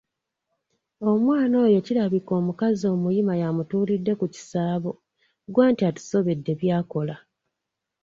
"Omwana oyo kirabika omukazi omuyima ye amutuulidde ku kisaabo, ggwe anti atusobedde by’akola."